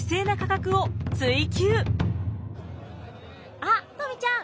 あっとみちゃん